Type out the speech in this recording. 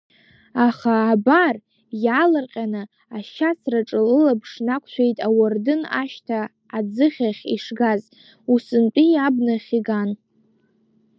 Аха, абар, иаалырҟьаны ашьацраҿы лылаԥш нақәшәеит ауардын ашьҭа аӡыхьахь ишгаз, усынтәи абнахь иган.